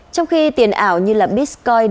trong khi tiền ảo như là bitcoin